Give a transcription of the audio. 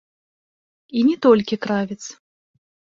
І не толькі кравец.